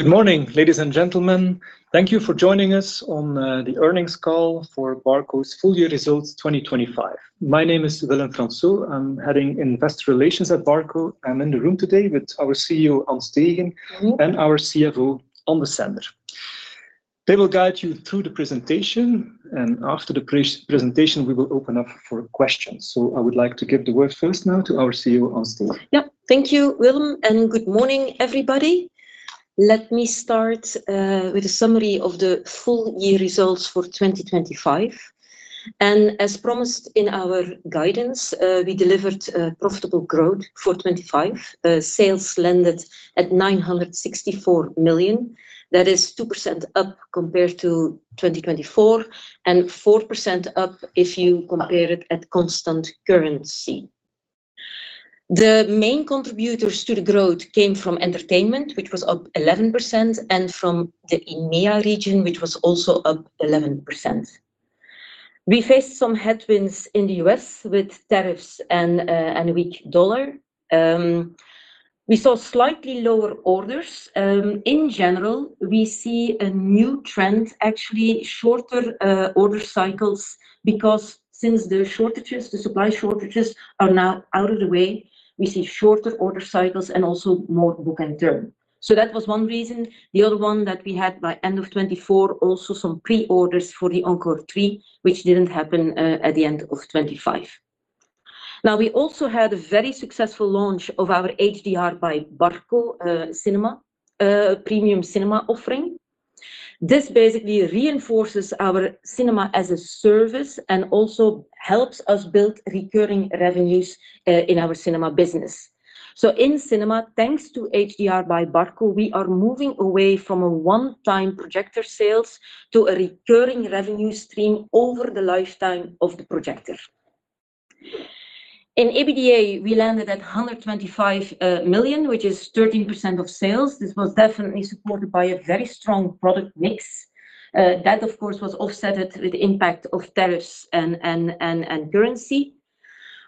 Good morning, ladies and gentlemen. Thank you for joining us on the earnings call for Barco's full year results 2025. My name is Willem Fransoo. I'm heading Investor Relations at Barco. I'm in the room today with our CEO, An Steegen, and our CFO, Ann Desender. They will guide you through the presentation, and after the presentation, we will open up for questions. So I would like to give the word first now to our CEO, An Steegen. Yeah. Thank you, Willem, and good morning, everybody. Let me start with a summary of the full year results for 2025. And as promised in our guidance, we delivered profitable growth for 25. Sales landed at 964 million. That is 2% up compared to 2024, and 4% up if you compare it at constant currency. The main contributors to the growth came from entertainment, which was up 11%, and from the EMEA region, which was also up 11%. We faced some headwinds in the US with tariffs and weak dollar. We saw slightly lower orders. In general, we see a new trend, actually, shorter order cycles, because since the shortages, the supply shortages are now out of the way, we see shorter order cycles and also more book and turn. That was one reason. The other one that we had by end of 2024, also some pre-orders for the Encore3, which didn't happen at the end of 2025. Now, we also had a very successful launch of our HDR by Barco Cinema premium cinema offering. This basically reinforces our Cinema-as-a-Service and also helps us build recurring revenues in our cinema business. So in cinema, thanks to HDR by Barco, we are moving away from a one-time projector sales to a recurring revenue stream over the lifetime of the projector. In EBITDA, we landed at 125 million, which is 13% of sales. This was definitely supported by a very strong product mix. That, of course, was offset with the impact of tariffs and currency.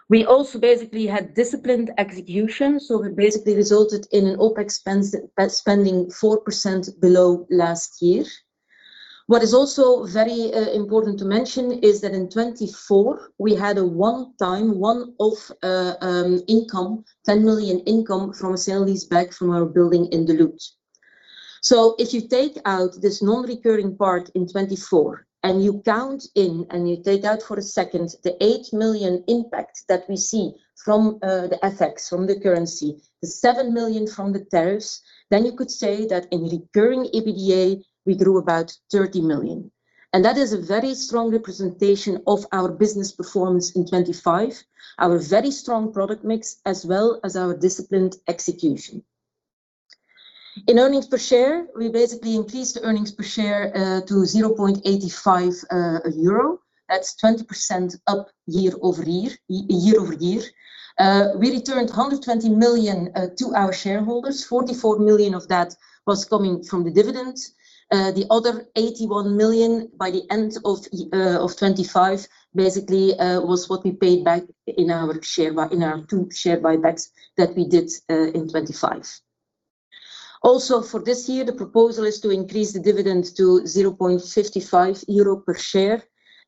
We also basically had disciplined execution, so it basically resulted in an OpEx expense, spending 4% below last year. What is also very important to mention is that in 2024, we had a one-time, one-off, income, 10 million income from a sale-leaseback from our building in Duluth. So if you take out this non-recurring part in 2024, and you count in, and you take out for a second the 8 million impact that we see from the FX, from the currency, the 7 million from the tariffs, then you could say that in recurring EBITDA, we grew about 30 million. And that is a very strong representation of our business performance in 2025, our very strong product mix, as well as our disciplined execution. In earnings per share, we basically increased the earnings per share to 0.85 euro. That's 20% up year-over-year. We returned 120 million to our shareholders. 44 million of that was coming from the dividends. The other 81 million by the end of 2025, basically, was what we paid back in our two share buybacks that we did in 2025. Also, for this year, the proposal is to increase the dividend to 0.55 euro per share,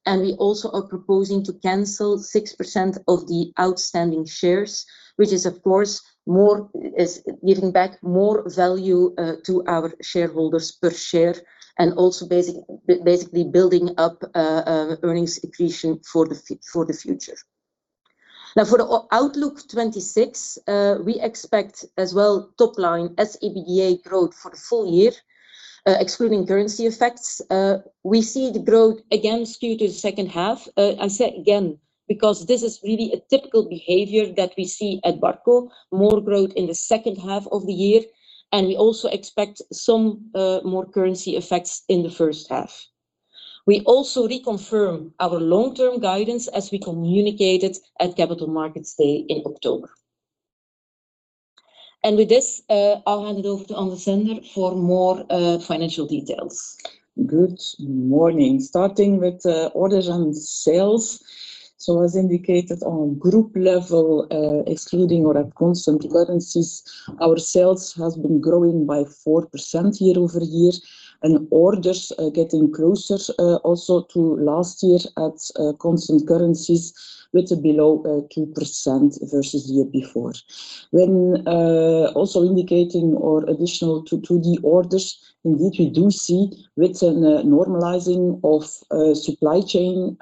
and we also are proposing to cancel 6% of the outstanding shares, which is, of course, is giving back more value to our shareholders per share, and also basically building up earnings accretion for the future. Now, for the outlook 2026, we expect as well top line as EBITDA growth for the full year. Excluding currency effects, we see the growth again skewed to the second half. I say again, because this is really a typical behavior that we see at Barco, more growth in the second half of the year, and we also expect some more currency effects in the first half. We also reconfirm our long-term guidance as we communicated at Capital Markets Day in October. And with this, I'll hand it over to Ann Desender for more financial details. Good morning. Starting with the orders and sales. So as indicated on group level, excluding or at constant currencies, our sales has been growing by 4% year-over-year, and orders, getting closer, also to last year at constant currencies with below 2% versus the year before. When also indicating or additional to the orders, indeed, we do see with a normalizing of supply chain,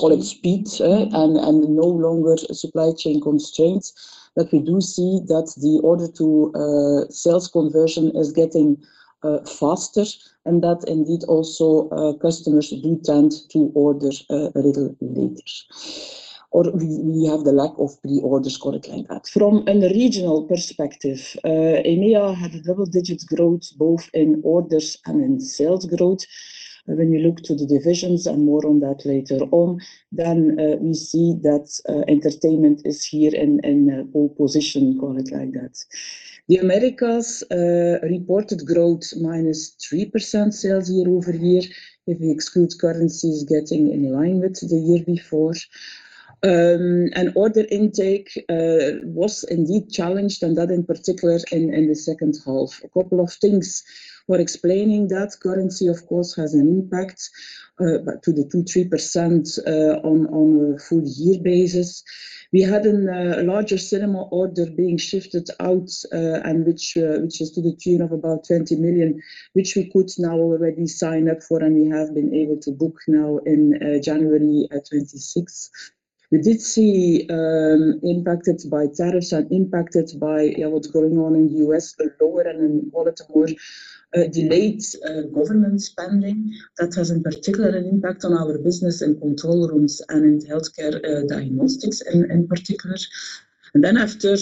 call it speed, and, and no longer supply chain constraints, that we do see that the order to sales conversion is getting faster, and that indeed also customers do tend to order a little later. Or we, we have the lack of pre-orders, call it like that. From a regional perspective, EMEA had a double-digit growth, both in orders and in sales growth. When you look to the divisions, and more on that later on, then we see that entertainment is here in a pole position, call it like that. The Americas reported growth -3% sales year-over-year, if we exclude currencies getting in line with the year before. And order intake was indeed challenged, and that in particular in the second half. A couple of things were explaining that. Currency, of course, has an impact, but to the 2-3%, on a full year basis. We had a larger cinema order being shifted out, and which is to the tune of about 20 million, which we could now already sign up for, and we have been able to book now in January 2026. We did see impacted by tariffs and impacted by what's going on in the U.S., a lower and then call it a more delayed government spending. That has in particular an impact on our business in control rooms and in healthcare diagnostics in particular. And then after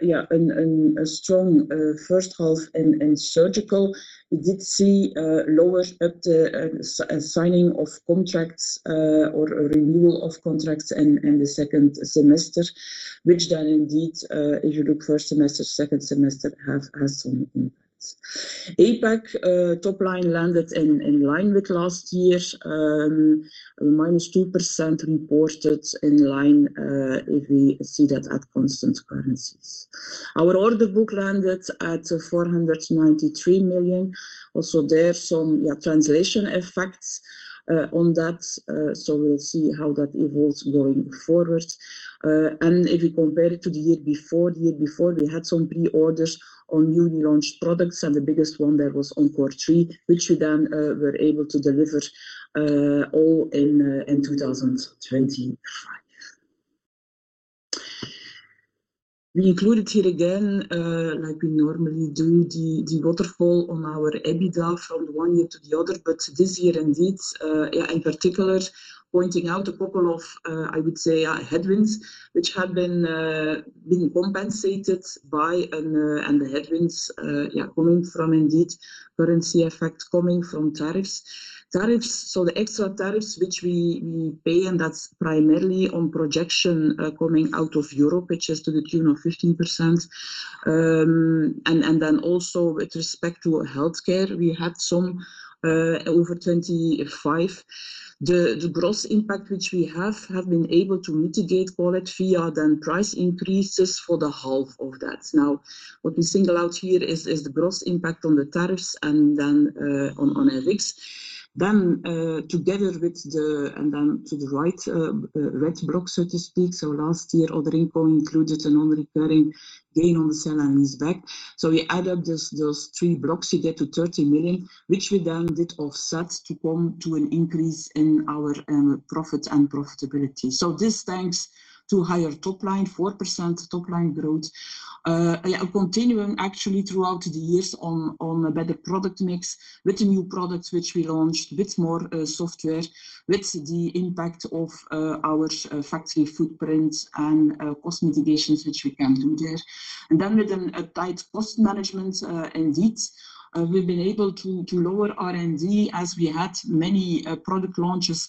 in a strong first half in surgical, we did see lower uptake of the signing of contracts or a renewal of contracts in the second semester, which then indeed if you look first semester, second semester, have had some impact. APAC top line landed in line with last year, minus 2% reported in line if we see that at constant currencies. Our order book landed at 493 million. Also there, some yeah, translation effects on that, so we'll see how that evolves going forward. And if you compare it to the year before, the year before, we had some pre-orders on newly launched products, and the biggest one that was Encore3, which we then were able to deliver all in 2025. We included here again, like we normally do, the waterfall on our EBITDA from one year to the other, but this year indeed, yeah, in particular, pointing out a couple of, I would say, yeah, headwinds, which had been compensated by and the headwinds, yeah, coming from, indeed, currency effect coming from tariffs. Tariffs, so the extra tariffs which we pay, and that's primarily on projection coming out of Europe, which is to the tune of 15%. And then also with respect to healthcare, we had some over 25. The gross impact which we have been able to mitigate, call it via price increases for the half of that. Now, what we single out here is the gross impact on the tariffs and then on FX. Then together with the... and then to the right, red block, so to speak. So last year, Other Income included a non-recurring gain on the sale and leaseback. So we add up those three blocks, you get to 30 million, which we then did offset to come to an increase in our profit and profitability. So this, thanks to higher top line, 4% top line growth, yeah, a continuum actually throughout the years on a better product mix with the new products which we launched, with more software, with the impact of our factory footprint and cost mitigations, which we can do there. And then with a tight cost management, indeed, we've been able to lower R&D as we had many product launches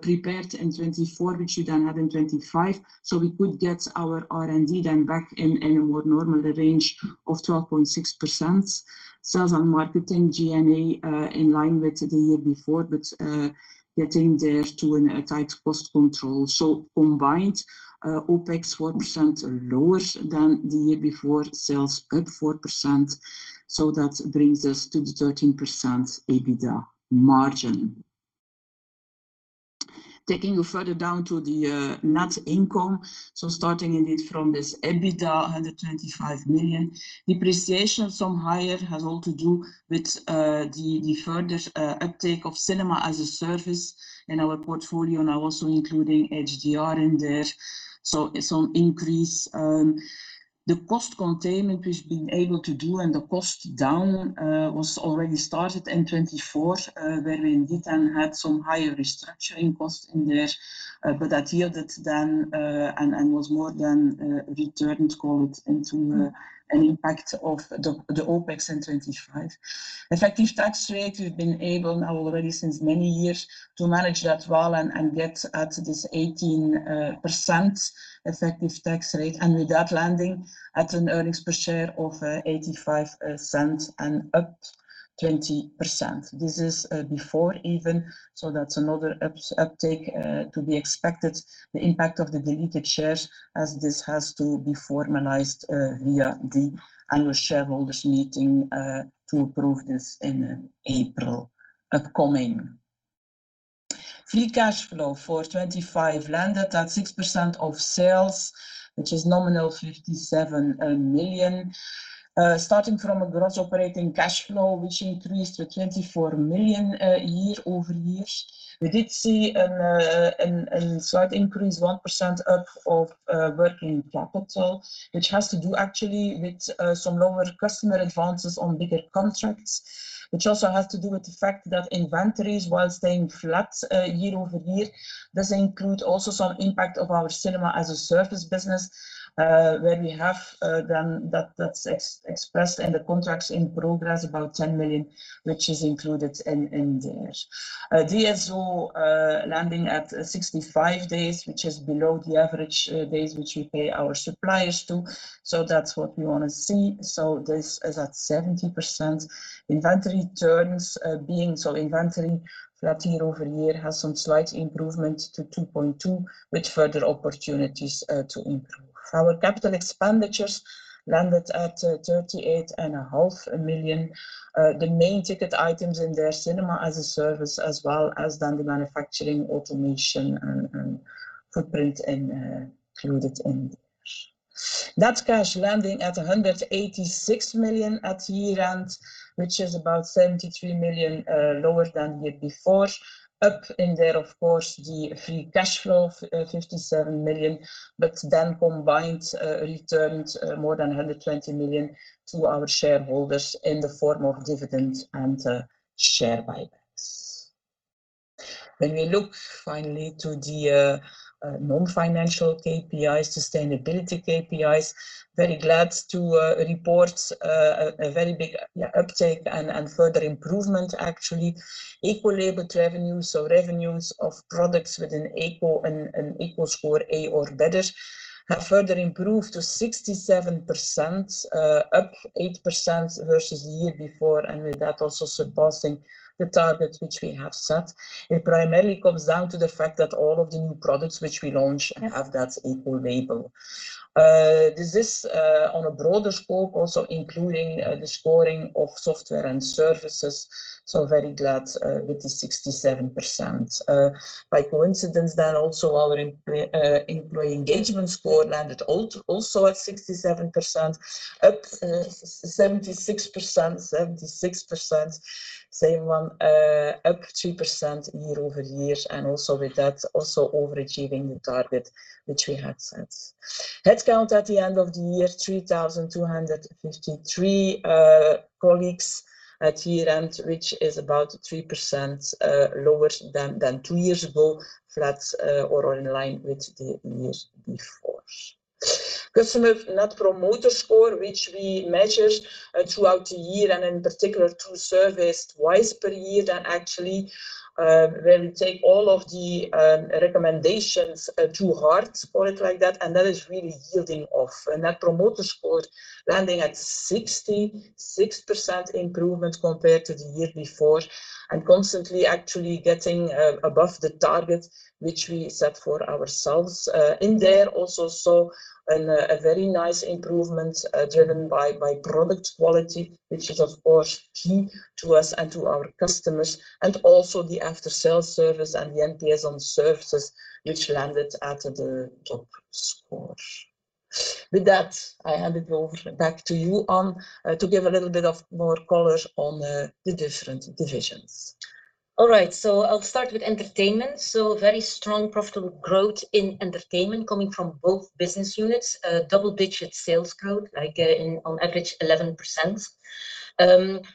prepared in 2024, which we then had in 2025. So we could get our R&D then back in a more normal range of 12.6%. Sales and marketing, G&A, in line with the year before, but getting there to a tight cost control. So combined, OpEx 4% lower than the year before, sales up 4%, so that brings us to the 13% EBITDA margin. Taking you further down to the net income. So starting indeed from this EBITDA, 125 million. Depreciation, some higher, has all to do with the further uptake of cinema as a service in our portfolio, now also including HDR in there. So some increase. The cost containment we've been able to do and the cost down was already started in 2024, where we indeed then had some higher restructuring costs in there, but that yielded then and was more than returned, call it, into an impact of the OpEx in 2025. Effective tax rate, we've been able now already since many years to manage that well and get at this 18% effective tax rate, and with that landing at an earnings per share of 0.85 and up 20%. This is before even, so that's another uptake to be expected, the impact of the diluted shares, as this has to be formalized via the annual shareholders meeting to approve this in April upcoming. Free cash flow for 2025 landed at 6% of sales, which is nominal 57 million. Starting from a gross operating cash flow, which increased to 24 million year-over-year. We did see a slight increase, 1% up of working capital, which has to do actually with some lower customer advances on bigger contracts, which also has to do with the fact that inventories, while staying flat year-over-year, does include also some impact of our Cinema-as-a-Service business, where we have then that's expressed in the contracts in progress, about 10 million, which is included in there. DSO landing at 65 days, which is below the average days which we pay our suppliers to. So that's what we want to see. So this is at 70%. Inventory turns, so inventory, flat year-over-year, has some slight improvement to 2.2, with further opportunities to improve. Our capital expenditures landed at 38.5 million. The main ticket items in their Cinema as a Service, as well as then the manufacturing, automation, and, footprint and, included in there.... Net cash landing at 186 million at year end, which is about 73 million lower than the year before. Included in there, of course, the Free Cash Flow, 57 million, but then combined returned more than 120 million to our shareholders in the form of dividends and share buybacks. When we look finally to the non-financial KPIs, sustainability KPIs, very glad to report a very big, yeah, uptake and further improvement, actually. Eco-labeled revenues or revenues of products with an eco and Eco score A or better have further improved to 67%, up 8% versus the year before, and with that, also surpassing the target which we have set. It primarily comes down to the fact that all of the new products which we launched have that eco label. This on a broader scope, also including the scoring of software and services, so very glad with the 67%. By coincidence, then also our employee engagement score landed also at 67%, up 76%. 76%, same one, up 2% year-over-year, and also with that, also overachieving the target which we had set. Headcount at the end of the year, 3,253 colleagues at year end, which is about 3% lower than two years ago, flat or in line with the years before. Customer Net Promoter Score, which we measure throughout the year, and in particular, through service twice per year, then actually when we take all of the recommendations to heart, call it like that, and that is really yielding off. And that promoter score landing at 66% improvement compared to the year before, and constantly actually getting above the target which we set for ourselves. In there also, saw a very nice improvement driven by product quality, which is, of course, key to us and to our customers, and also the after-sale service and the NPS on services, which landed at the top score. With that, I hand it over back to you, An, to give a little bit of more colors on the different divisions. All right, so I'll start with entertainment. So very strong profitable growth in entertainment coming from both business units. Double-digit sales growth, like, in, on average, 11%.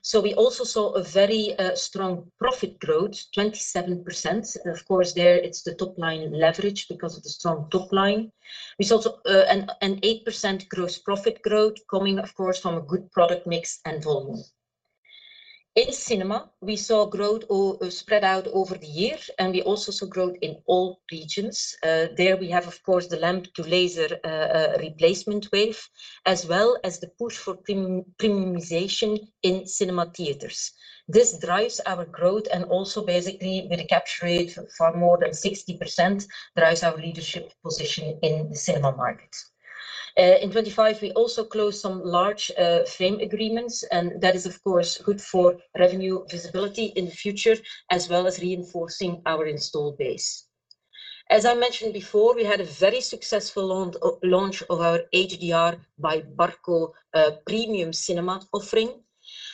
So we also saw a very strong profit growth, 27%. And of course, there it's the top line leverage because of the strong top line. We saw an 8% gross profit growth coming, of course, from a good product mix and volume. In cinema, we saw growth spread out over the years, and we also saw growth in all regions. There we have, of course, the lamp-to-laser replacement wave, as well as the push for premiumization in cinema theaters. This drives our growth, and also basically, with a capture rate for more than 60%, drives our leadership position in the cinema market. In 2025, we also closed some large frame agreements, and that is, of course, good for revenue visibility in the future, as well as reinforcing our installed base. As I mentioned before, we had a very successful launch of our HDR by Barco premium cinema offering.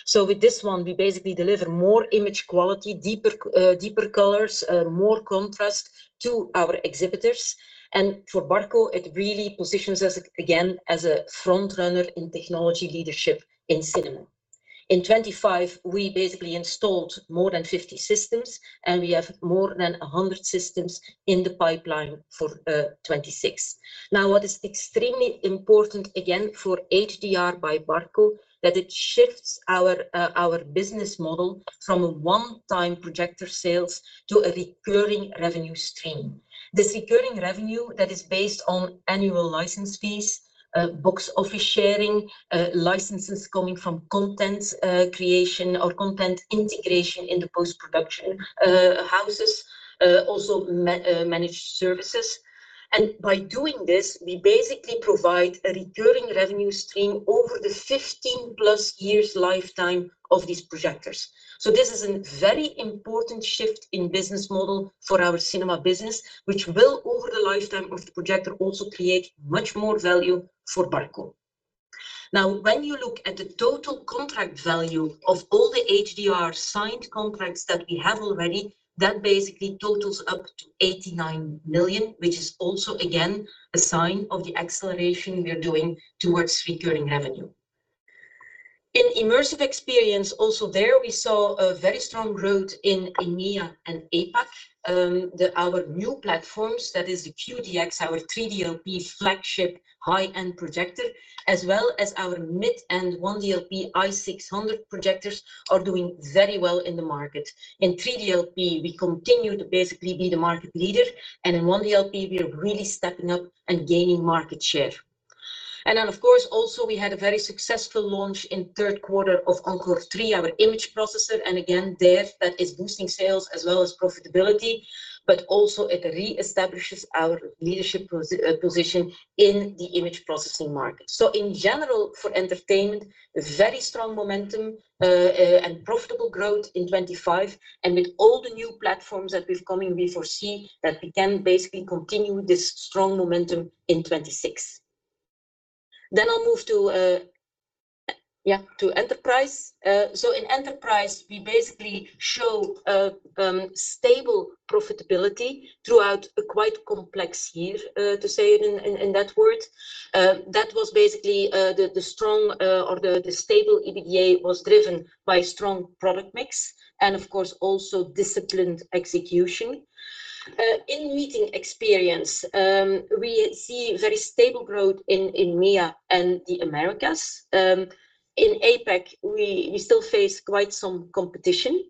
So with this one, we basically deliver more image quality, deeper colors, more contrast to our exhibitors. And for Barco, it really positions us, again, as a frontrunner in technology leadership in cinema. In 2025, we basically installed more than 50 systems, and we have more than 100 systems in the pipeline for 2026. Now, what is extremely important, again, for HDR by Barco, that it shifts our business model from a one-time projector sales to a recurring revenue stream. This recurring revenue that is based on annual license fees, box office sharing, licenses coming from content creation or content integration in the post-production houses, also managed services. By doing this, we basically provide a recurring revenue stream over the 15+ years lifetime of these projectors. This is a very important shift in business model for our cinema business, which will, over the lifetime of the projector, also create much more value for Barco. Now, when you look at the total contract value of all the HDR signed contracts that we have already, that basically totals up to 89 million, which is also, again, a sign of the acceleration we're doing towards recurring revenue. In immersive experience, also there, we saw a very strong growth in EMEA and APAC. Our new platforms, that is the UDX, our 3DLP flagship high-end projector, as well as our mid-range 1DLP I600 projectors, are doing very well in the market. In 3DLP, we continue to basically be the market leader, and in 1DLP, we are really stepping up and gaining market share. And then, of course, also we had a very successful launch in third quarter of Encore3, our image processor. And again, there, that is boosting sales as well as profitability, but also it reestablishes our leadership position in the image processing market. So in general, for entertainment, a very strong momentum, and profitable growth in 2025. And with all the new platforms that we've coming, we foresee that we can basically continue this strong momentum in 2026. Then I'll move to enterprise. So in enterprise, we basically show stable profitability throughout a quite complex year, to say it in that word. That was basically the stable EBITDA was driven by strong product mix, and of course, also disciplined execution. In meeting experience, we see very stable growth in EMEA and the Americas. In APAC, we still face quite some competition.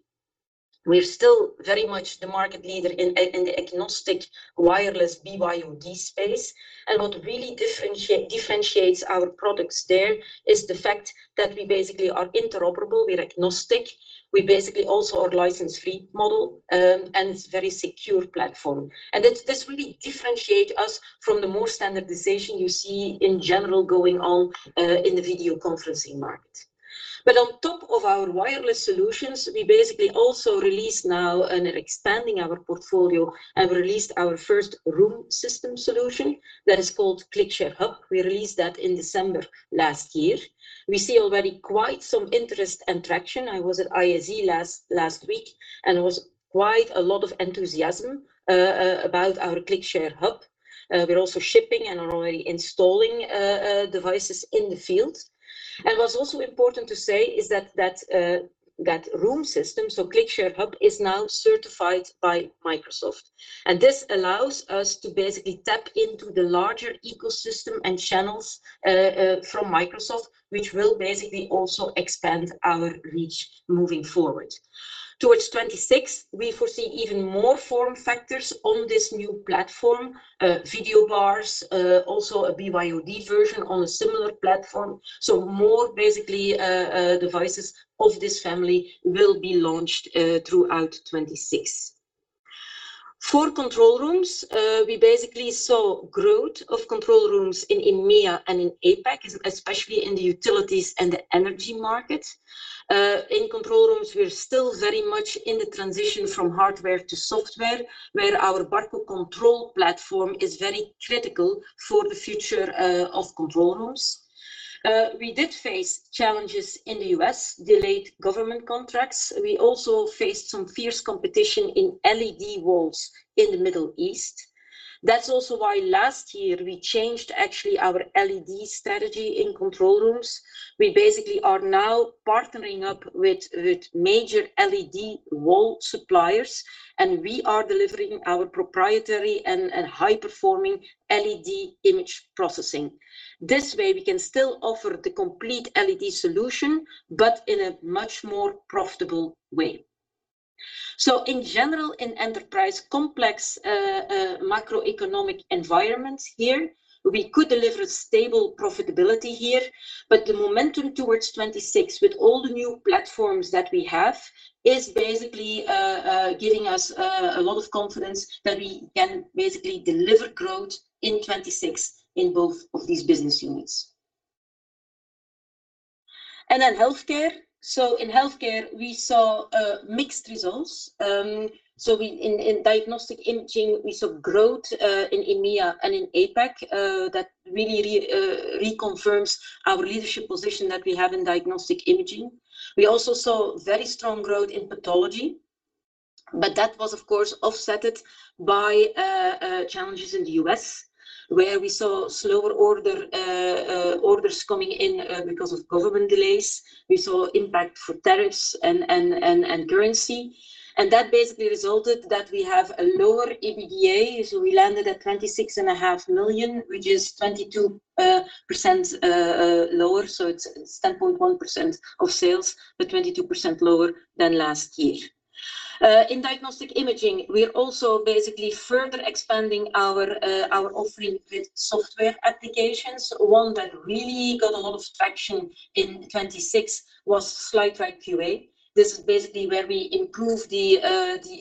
We're still very much the market leader in the agnostic, wireless, BYOD space, and what really differentiates our products there is the fact that we basically are interoperable, we're agnostic. We basically also are license-free model, and it's very secure platform. This really differentiate us from the more standardization you see in general going on, in the video conferencing market. But on top of our wireless solutions, we basically also release now and are expanding our portfolio, and released our first room system solution that is called ClickShare Bar. We released that in December last year. We see already quite some interest and traction. I was at ISE last week, and it was quite a lot of enthusiasm about our ClickShare Bar. We're also shipping and are already installing devices in the field. And what's also important to say is that that room system, so ClickShare Bar, is now certified by Microsoft, and this allows us to basically tap into the larger ecosystem and channels from Microsoft, which will basically also expand our reach moving forward. Towards 2026, we foresee even more form factors on this new platform, video bars, also a BYOD version on a similar platform. So more basically, devices of this family will be launched throughout 2026. For control rooms, we basically saw growth of control rooms in EMEA and in APAC, especially in the utilities and the energy market. In control rooms, we're still very much in the transition from hardware to software, where our Barco CTRL platform is very critical for the future of control rooms. We did face challenges in the U.S., delayed government contracts. We also faced some fierce competition in LED walls in the Middle East. That's also why last year we changed actually our LED strategy in control rooms. We basically are now partnering up with major LED wall suppliers, and we are delivering our proprietary and high-performing LED image processing. This way, we can still offer the complete LED solution, but in a much more profitable way. So in general, in enterprise complex, macroeconomic environment here, we could deliver stable profitability here. But the momentum towards 2026, with all the new platforms that we have, is basically giving us a lot of confidence that we can basically deliver growth in 2026 in both of these business units. And then healthcare. So in healthcare, we saw mixed results. In diagnostic imaging, we saw growth in EMEA and in APAC. That really reconfirms our leadership position that we have in diagnostic imaging. We also saw very strong growth in pathology, but that was, of course, offset by challenges in the U.S., where we saw slower orders coming in because of government delays. We saw impact for tariffs and currency, and that basically resulted that we have a lower EBITDA. So we landed at 26.5 million, which is 22% lower. So it's 10.1% of sales, but 22% lower than last year. In diagnostic imaging, we are also basically further expanding our offering with software applications. One that really got a lot of traction in 2026 was Site-wide QA. This is basically where we improve the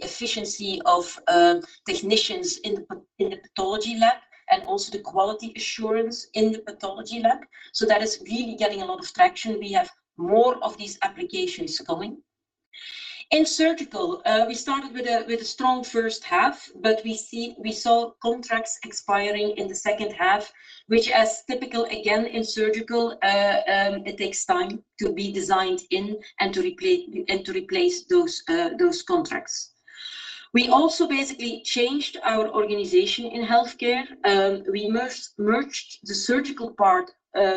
efficiency of technicians in the pathology lab, and also the quality assurance in the pathology lab. So that is really getting a lot of traction. We have more of these applications coming. In surgical, we started with a strong first half, but we saw contracts expiring in the second half, which is typical, again, in surgical. It takes time to be designed in and to replace those contracts. We also basically changed our organization in healthcare. We merged the surgical part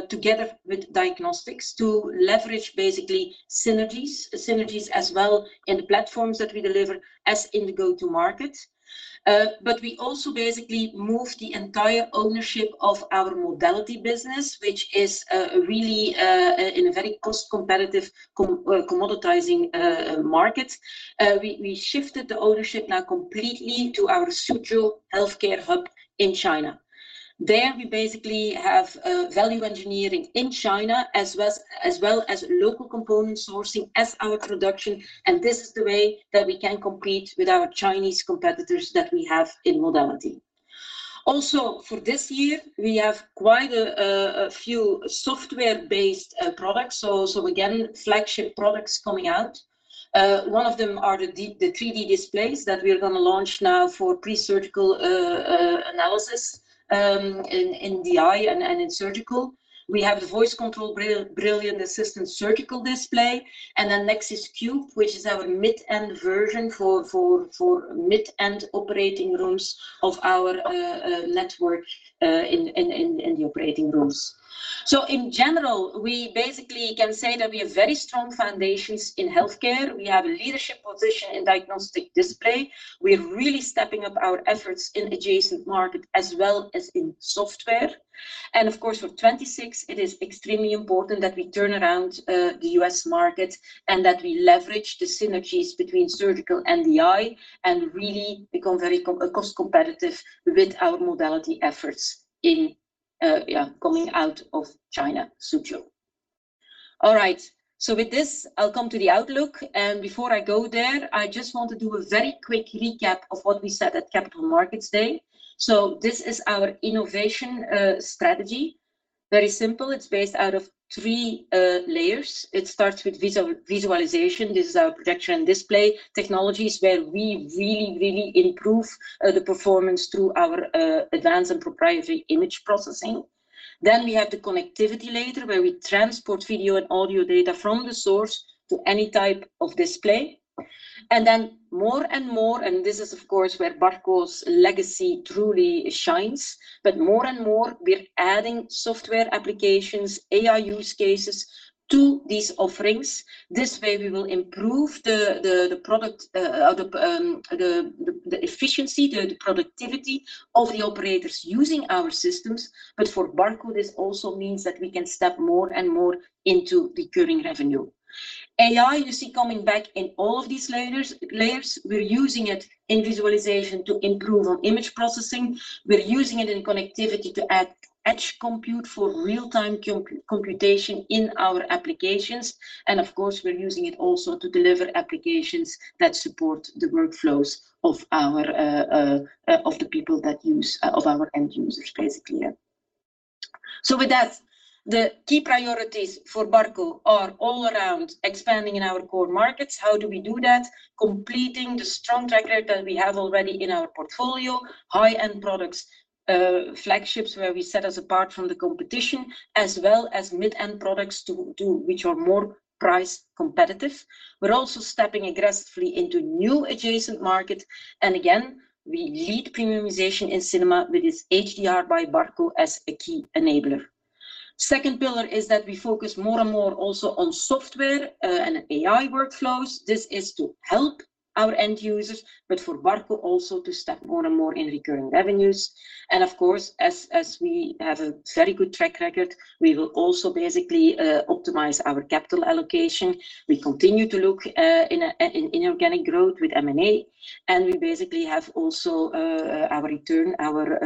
together with diagnostics to leverage, basically, synergies. Synergies as well in the platforms that we deliver as in the go-to-market. But we also basically moved the entire ownership of our modality business, which is really in a very cost competitive commoditizing market. We shifted the ownership now completely to our surgical healthcare hub in China. There, we basically have value engineering in China, as well as local component sourcing as our production, and this is the way that we can compete with our Chinese competitors that we have in modality. Also, for this year, we have quite a few software-based products. So again, flagship products coming out. One of them are the 3D displays that we're gonna launch now for pre-surgical analysis in DI and in surgical. We have the voice control Brilliant Assistant surgical display, and then Nexxis Core, which is our mid-end version for mid-end operating rooms of our network in the operating rooms. So in general, we basically can say that we have very strong foundations in healthcare. We have a leadership position in diagnostic display. We're really stepping up our efforts in adjacent market as well as in software. And of course, for 2026, it is extremely important that we turn around the US market, and that we leverage the synergies between surgical and DI, and really become very cost competitive with our modality efforts in coming out of China sooner. All right, so with this, I'll come to the outlook, and before I go there, I just want to do a very quick recap of what we said at Capital Markets Day. So this is our innovation strategy. Very simple. It's based out of three layers. It starts with visualization. This is our projection display technologies, where we really, really improve the performance through our advanced and proprietary image processing. Then we have the connectivity layer, where we transport video and audio data from the source to any type of display. And then more and more, and this is of course where Barco's legacy truly shines, but more and more we're adding software applications, AI use cases to these offerings. This way, we will improve the efficiency, the productivity of the operators using our systems. But for Barco, this also means that we can step more and more into recurring revenue. AI, you see, coming back in all of these layers. We're using it in visualization to improve on image processing. We're using it in connectivity to add edge compute for real-time computation in our applications, and of course, we're using it also to deliver applications that support the workflows of our end users, basically. Yeah. So with that, the key priorities for Barco are all around expanding in our core markets. How do we do that? Completing the strong track record that we have already in our portfolio, high-end products, flagships, where we set us apart from the competition, as well as mid-end products too, which are more price competitive. We're also stepping aggressively into new adjacent market, and again, we lead premiumization in cinema with its HDR by Barco as a key enabler. Second pillar is that we focus more and more also on software and AI workflows. This is to help our end users, but for Barco also to step more and more in recurring revenues. And of course, as we have a very good track record, we will also basically optimize our capital allocation. We continue to look in organic growth with M&A, and we basically have also our return, our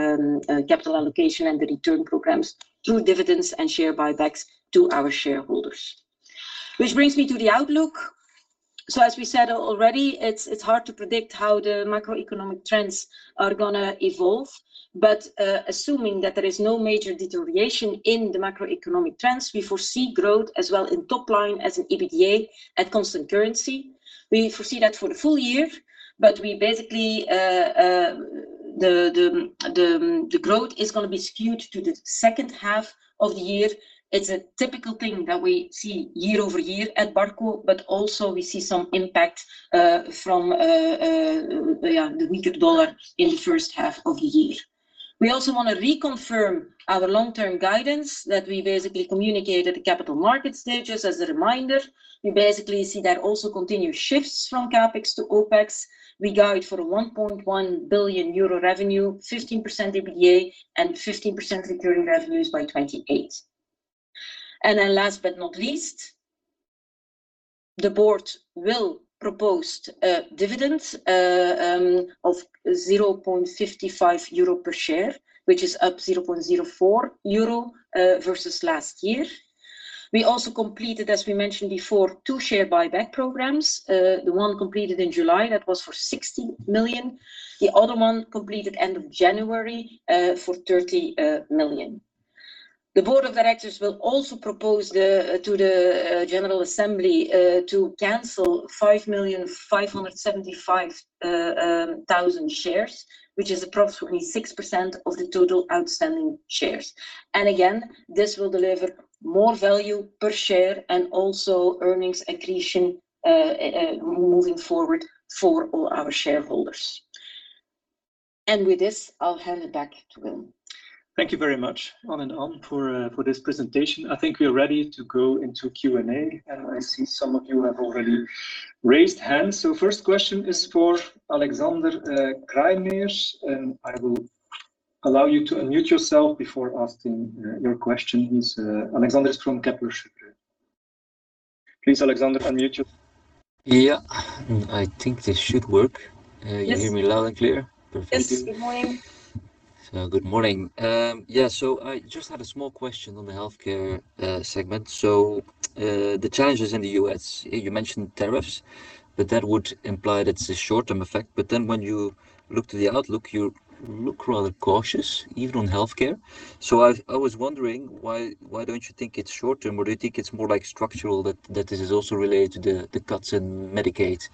capital allocation and the return programs through dividends and share buybacks to our shareholders. Which brings me to the outlook. So as we said already, it's hard to predict how the macroeconomic trends are gonna evolve, but assuming that there is no major deterioration in the macroeconomic trends, we foresee growth as well in top line as in EBITDA at constant currency. We foresee that for the full year, but we basically the growth is gonna be skewed to the second half of the year. It's a typical thing that we see year-over-year at Barco, but also we see some impact from the weaker dollar in the first half of the year. We also wanna reconfirm our long-term guidance that we basically communicated at the Capital Markets Day. As a reminder, we basically see that also continued shifts from CapEx to OpEx. We guide for 1.1 billion euro revenue, 15% EBITDA, and 15% recurring revenues by 2028. Then last but not least, the board will propose a dividend of 0.55 euro per share, which is up 0.04 euro versus last year. We also completed, as we mentioned before, two share buyback programs. The one completed in July, that was for 60 million. The other one completed end of January for 30 million. The board of directors will also propose to the general assembly to cancel 5,575,000 shares, which is approximately 6% of the total outstanding shares. And again, this will deliver more value per share and also earnings accretion moving forward for all our shareholders. And with this, I'll hand it back to Willem. Thank you very much, An and Ann, for this presentation. I think we are ready to go into Q&A, and I see some of you have already raised hands. So first question is for Alexander Craeymeersch, and I will allow you to unmute yourself before asking your question. He's... Alexander is from Kepler Cheuvreux. Please, Alexander, unmute you. Yeah. I think this should work. Yes. You hear me loud and clear? Perfect. Yes. Good morning. So good morning. Yeah, so I just had a small question on the healthcare segment. So, the challenges in the US, you mentioned tariffs, but that would imply that it's a short-term effect. But then when you look to the outlook, you look rather cautious, even on healthcare. So I was wondering, why don't you think it's short term, or do you think it's more like structural, that this is also related to the cuts in Medicaid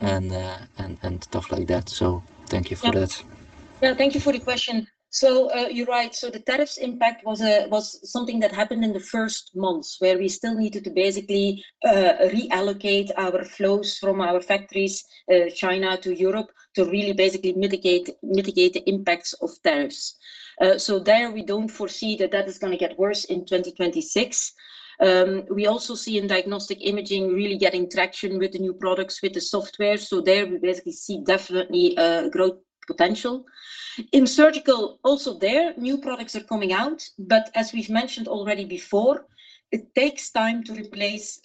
and stuff like that? So thank you for that.... Yeah, thank you for the question. So, you're right. So the tariffs impact was something that happened in the first months, where we still needed to basically reallocate our flows from our factories, China to Europe, to really basically mitigate the impacts of tariffs. So there we don't foresee that that is gonna get worse in 2026. We also see in diagnostic imaging really getting traction with the new products, with the software, so there we basically see definitely growth potential. In surgical, also there, new products are coming out, but as we've mentioned already before, it takes time to replace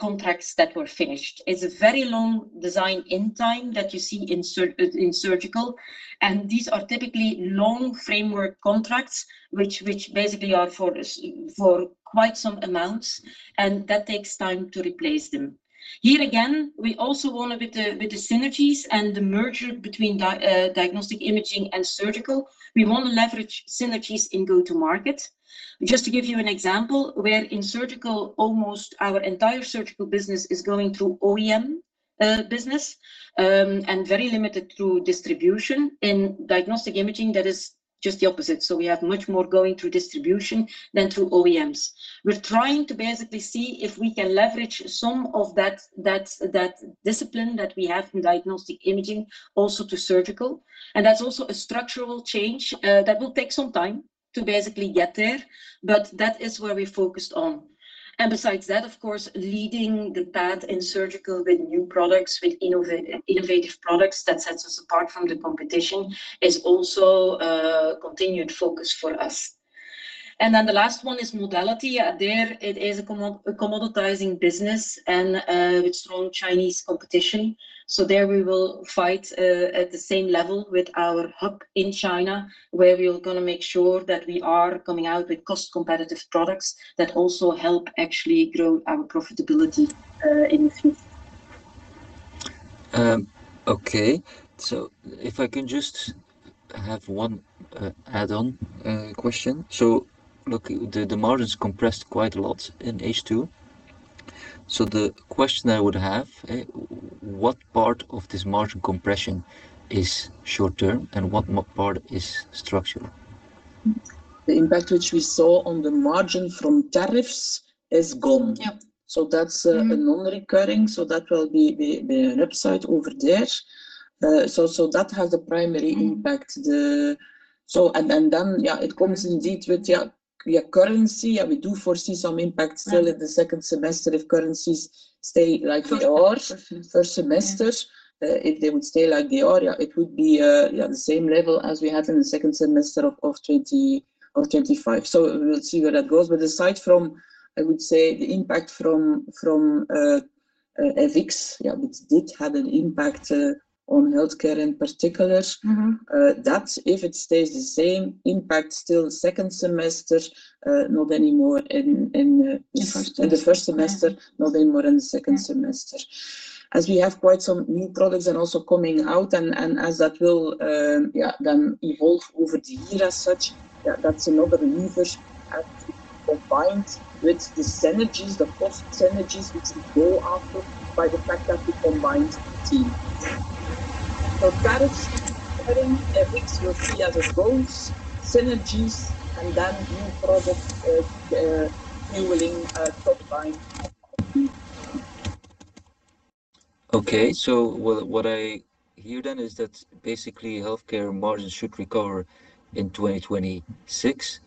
contracts that were finished. It's a very long design in time that you see in surgical, and these are typically long framework contracts, which basically are for quite some amounts, and that takes time to replace them. Here again, we also want a bit with the synergies and the merger between diagnostic imaging and surgical. We want to leverage synergies in go-to-market. Just to give you an example, where in surgical, almost our entire surgical business is going through OEM business, and very limited through distribution. In diagnostic imaging, that is just the opposite. So we have much more going through distribution than through OEMs. We're trying to basically see if we can leverage some of that discipline that we have in diagnostic imaging also to surgical, and that's also a structural change that will take some time to basically get there, but that is where we're focused on. And besides that, of course, leading the path in surgical with new products, with innovative products, that sets us apart from the competition, is also a continued focus for us. And then the last one is modality. There it is a commoditizing business and with strong Chinese competition. So there we will fight at the same level with our hub in China, where we are gonna make sure that we are coming out with cost-competitive products that also help actually grow our profitability in the future. Okay. So if I can just have one add-on question. So look, the margins compressed quite a lot in H2. So the question I would have, what part of this margin compression is short term, and what part is structural? The impact which we saw on the margin from tariffs is gone. Yep. So that's.... a non-recurring, so that will be the upside over there. So that has the primary- Mm... impact. So, yeah, it comes indeed with, yeah, yeah, currency. Yeah, we do foresee some impact- Right... still in the second semester if currencies stay like they are. First semester. First semester. Yeah. If they would stay like they are, yeah, it would be, yeah, the same level as we had in the second semester of 2025. So we'll see where that goes. But aside from, I would say, the impact from FX, yeah, which did have an impact on healthcare in particular- Mm-hmm... that if it stays the same impact still second semester, not anymore in... In the first- In the first semester- Yeah... not anymore in the second semester. Yeah. As we have quite some new products and also coming out, and as that will then evolve over the year as such, that's another lever at combined with the synergies, the cost synergies, which we go after by the fact that we combined the team. So tariffs, earnings, FX, we'll see as a growth, synergies, and then new product fueling top line. Okay. So what, what I hear then is that basically healthcare margins should recover in 2026.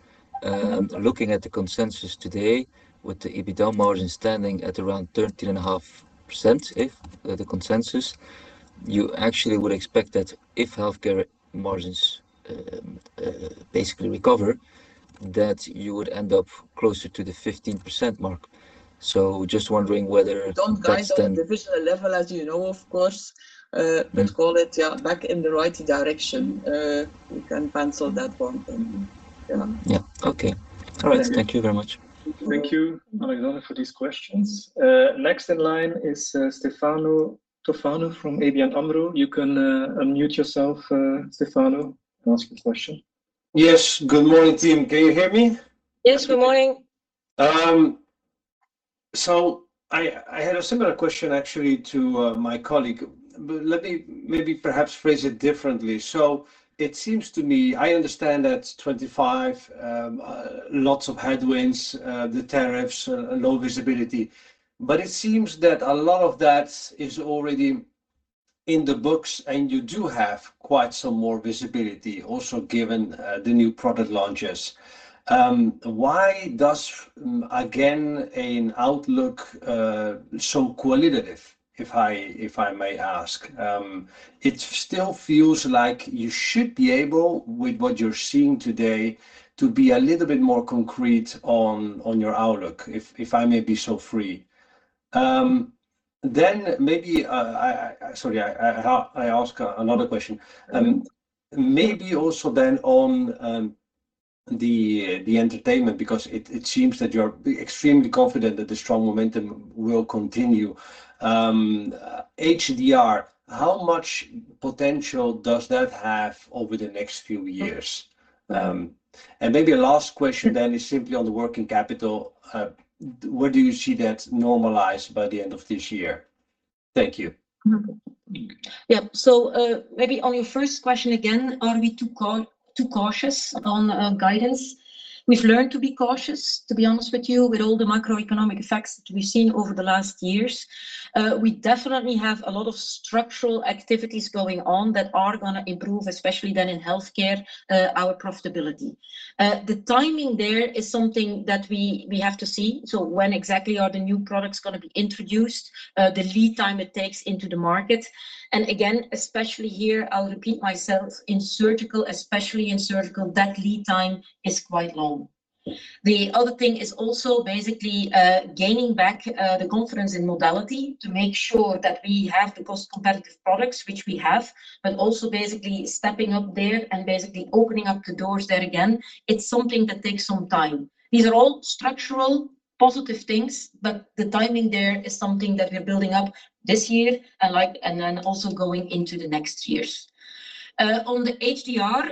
Mm-hmm. Looking at the consensus today, with the EBITDA margin standing at around 13.5%, if the consensus, you actually would expect that if healthcare margins basically recover, that you would end up closer to the 15% mark. So just wondering whether that's then- We don't guide on divisional level, as you know, of course. Mm. But call it, yeah, back in the right direction. You can pencil that one then. Yeah. Yeah. Okay. All right. Thank you very much. Thank you, Alexander, for these questions. Next in line is Stefano Tofano from ABN AMRO. You can unmute yourself, Stefano, and ask your question. Yes. Good morning, team. Can you hear me? Yes, good morning. So I had a similar question actually to my colleague, but let me maybe perhaps phrase it differently. So it seems to me... I understand that 25, lots of headwinds, the tariffs, low visibility, but it seems that a lot of that is already in the books, and you do have quite some more visibility also, given the new product launches. Why does, again, an outlook so qualitative, if I may ask? It still feels like you should be able, with what you're seeing today, to be a little bit more concrete on your outlook, if I may be so free. Then maybe—sorry, I ask another question. Mm. Maybe also then on the entertainment, because it seems that you're extremely confident that the strong momentum will continue. HDR, how much potential does that have over the next few years? And maybe a last question then is simply on the working capital. Where do you see that normalized by the end of this year?... Thank you. Mm-hmm. Yeah. So, maybe on your first question again, are we too cautious on guidance? We've learned to be cautious, to be honest with you, with all the macroeconomic effects that we've seen over the last years. We definitely have a lot of structural activities going on that are gonna improve, especially then in healthcare, our profitability. The timing there is something that we have to see. So when exactly are the new products gonna be introduced? The lead time it takes into the market, and again, especially here, I'll repeat myself, in surgical, especially in surgical, that lead time is quite long. The other thing is also basically, gaining back, the confidence in modality to make sure that we have the cost-competitive products, which we have, but also basically stepping up there and basically opening up the doors there again. It's something that takes some time. These are all structural, positive things, but the timing there is something that we're building up this year, and like, and then also going into the next years. On the HDR,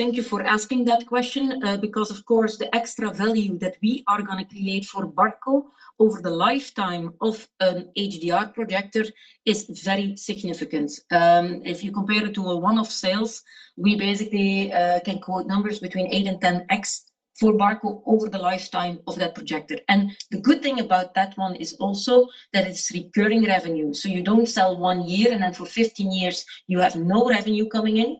thank you for asking that question, because, of course, the extra value that we are gonna create for Barco over the lifetime of an HDR projector is very significant. If you compare it to a one-off sales, we basically, can quote numbers between 8 and 10x for Barco over the lifetime of that projector. And the good thing about that one is also that it's recurring revenue, so you don't sell one year, and then for 15 years you have no revenue coming in,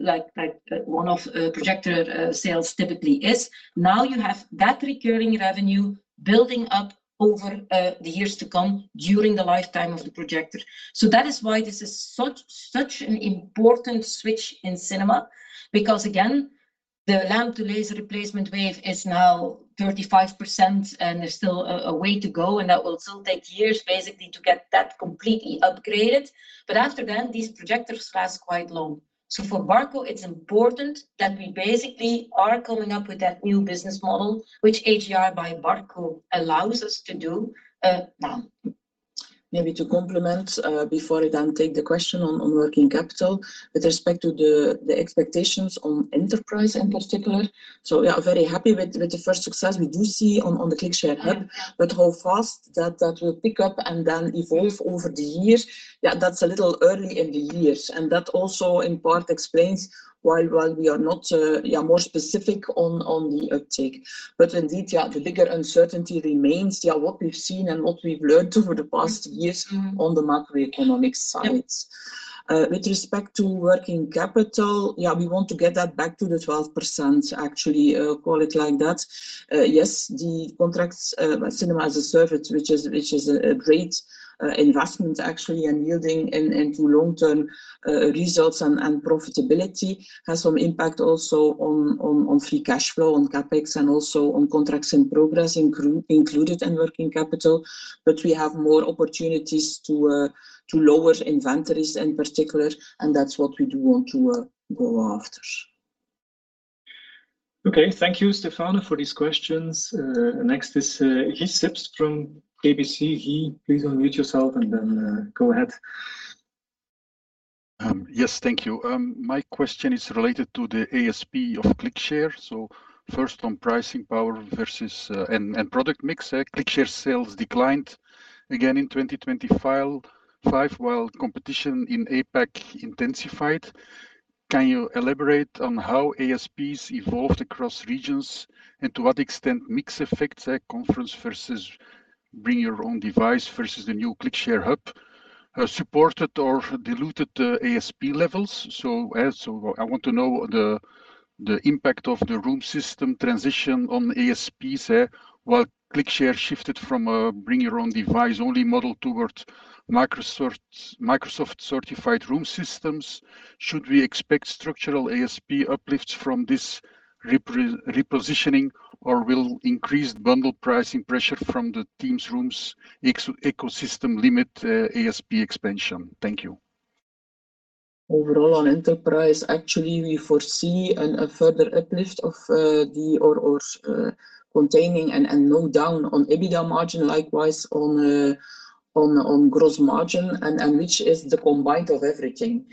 like, like one-off, projector, sales typically is. Now, you have that recurring revenue building up over, the years to come during the lifetime of the projector. So that is why this is such, such an important switch in cinema, because, again, the Lamp-to-Laser replacement wave is now 35%, and there's still a, a way to go, and that will still take years basically to get that completely upgraded. But after then, these projectors last quite long. So for Barco, it's important that we basically are coming up with that new business model, which HDR by Barco allows us to do, now. Maybe to complement, before I then take the question on working capital. With respect to the expectations on enterprise in particular, so we are very happy with the first success we do see ClickShare hub, but how fast that will pick up and then evolve over the years, yeah, that's a little early in the years. And that also in part explains why we are not, yeah, more specific on the uptake. But indeed, yeah, the bigger uncertainty remains, yeah, what we've seen and what we've learned over the past years- Mm-hmm... on the macroeconomic side. With respect to working capital, yeah, we want to get that back to the 12%, actually, call it like that. Yes, the contracts, Cinema-as-a-Service, which is, which is a, a great, investment actually, and yielding in, into long-term, results and, and profitability, has some impact also on, on, on free cash flow, on CapEx, and also on contracts in progress included in working capital. But we have more opportunities to, to lower inventories in particular, and that's what we do want to, go after. Okay. Thank you, Stefano, for these questions. Next is Guy Sips from KBC. Guy, please unmute yourself and then go ahead. Yes, thank you. My question is related to the ASP of ClickShare. So first, on pricing power versus and product mix, ClickShare sales declined again in 2025, while competition in APAC intensified. Can you elaborate on how ASPs evolved across regions and to what extent mix effects at conference versus bring your own device, versus the ClickShare hub, supported or diluted the ASP levels? So, I want to know the impact of the room system transition on ASPs, while ClickShare shifted from a bring your own device-only model towards Microsoft certified room systems. Should we expect structural ASP uplifts from this repositioning, or will increased bundle pricing pressure from the Teams Rooms ecosystem limit ASP expansion? Thank you. Overall, on enterprise, actually, we foresee a further uplift of the or, or, containing and no down on EBITDA margin, likewise on, on gross margin and which is the combined of everything.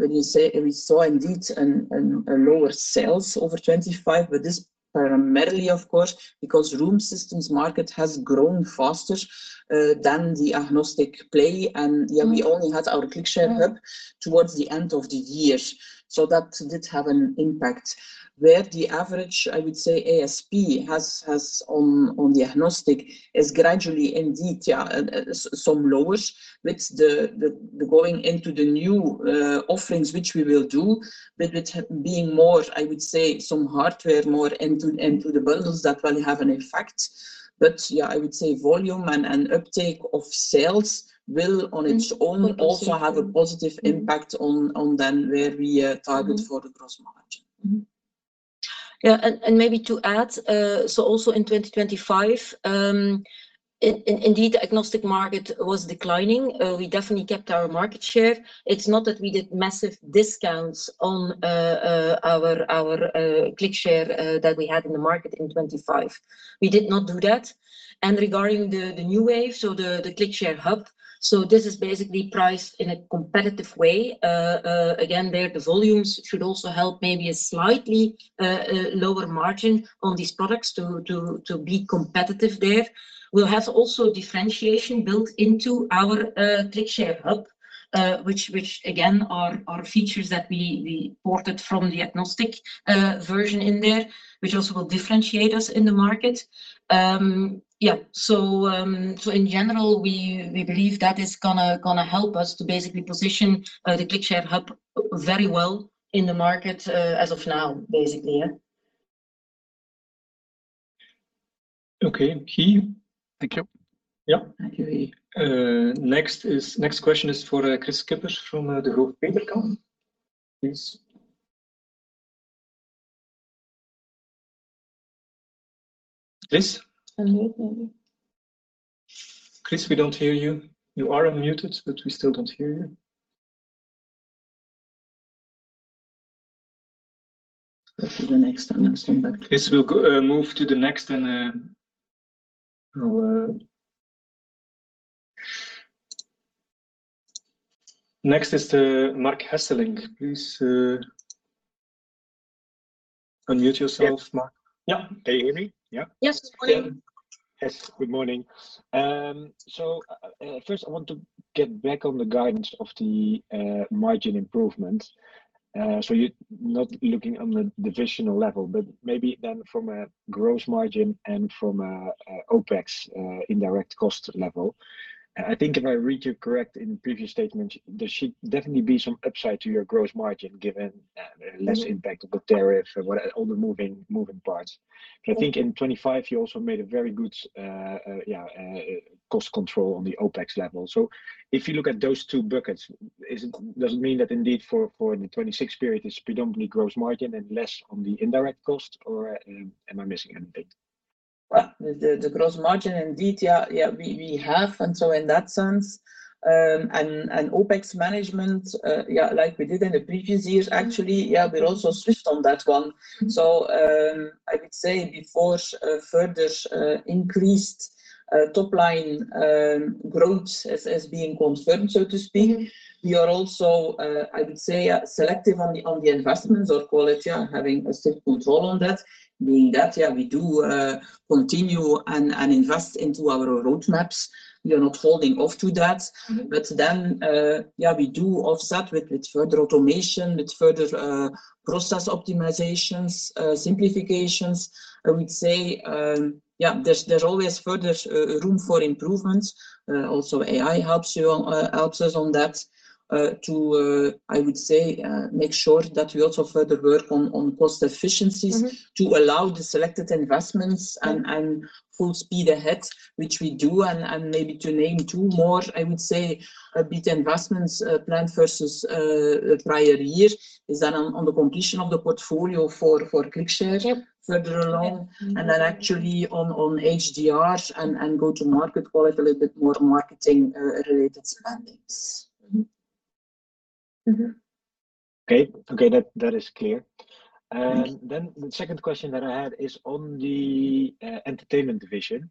When you say we saw indeed a lower sales over 25, but this primarily, of course, because room systems market has grown faster than the agnostic play, and, yeah, we only had ClickShare hub towards the end of the year. So that did have an impact. Where the average, I would say, ASP has on the agnostic, is gradually indeed, yeah, some lower. With the going into the new offerings, which we will do, with it being more, I would say, some hardware, more into the bundles, that will have an effect. Yeah, I would say volume and uptake of sales will, on its own, also have a positive impact on then where we target for the gross margin. Mm-hmm. Yeah, and maybe to add, so also in 2025, indeed, the agnostic market was declining. We definitely kept our market share. It's not that we did massive discounts on our ClickShare that we had in the market in 2025. We did not do that. And regarding the New Wave, so ClickShare hub, so this is basically priced in a competitive way. Again, there, the volumes should also help maybe a slightly lower margin on these products to be competitive there. We'll have also differentiation built into ClickShare hub, which again, are features that we ported from the agnostic version in there, which also will differentiate us in the market. Yeah, so in general, we believe that is gonna help us to basically position ClickShare hub very well in the market, as of now, basically, yeah. Okay, Guy. Thank you. Yeah. Thank you, Guy. Next question is for Kris Kippers from Degroof Petercam. Please. Kris? Unmute maybe. Kris, we don't hear you. You are unmuted, but we still don't hear you. Let's do the next and then come back to you. Kris, we'll go, move to the next, and, next is to Marc Hesselink. Please, unmute yourself, Marc. Yeah. Can you hear me? Yeah. Yes, good morning. Yes, good morning. First I want to get back on the guidance of the margin improvement. You're not looking on the divisional level, but maybe then from a gross margin and from a OpEx indirect cost level. I think if I read you correct in previous statement, there should definitely be some upside to your gross margin, given less impact- Mm -of the tariff and what all the moving parts. Mm. I think in 2025 you also made a very good cost control on the OpEx level. So if you look at those two buckets, is it doesn't mean that indeed for the 2026 period, it's predominantly gross margin and less on the indirect cost, or am I missing anything? Well, the gross margin indeed, yeah, yeah, we have, and so in that sense, and OpEx management, yeah, like we did in the previous years, actually, yeah, we're also switched on that one. So, I would say before further increased top line growth as being confirmed, so to speak, we are also, I would say, selective on the investments or quality, and having a strict control on that, meaning that, yeah, we do continue and invest into our roadmaps. We are not holding off to that. Mm-hmm. But then, yeah, we do offset with further automation, with further process optimizations, simplifications. I would say, yeah, there's always further room for improvements. Also, AI helps us on that, to, I would say, make sure that we also further work on cost efficiencies- Mm-hmm... to allow the selected investments and full speed ahead, which we do. And maybe to name two more, I would say a bit investments planned versus prior years is then on the completion of the portfolio for ClickShare- Yep... further along, and then actually on HDRs and go-to-market quality, a bit more marketing-related spending. Mm-hmm. Mm-hmm. Okay. Okay, that, that is clear. Mm. Then the second question that I had is on the entertainment division.